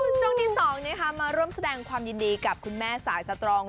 ช่วงที่สองเนี้ยค่ะมาร่วมแสดงความยินดีกับคุณแม่สายสตรอง